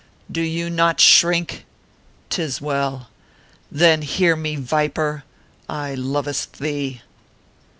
Do you not shrink ? Tis well. Then hear ine, viper, / lovest thee."